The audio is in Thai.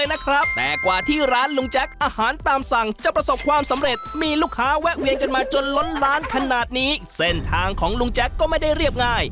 แล้วพอแบบพันกับน้ำด้านหน้ามันครับก่อนเส้นมันฉ่ำน้ำไปด้วยเลยอ่ะคะ